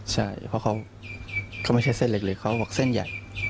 ใช่เพราะเขาก็ไม่ใช่เส้นเล็กเลยเขาบอกเส้นใหญ่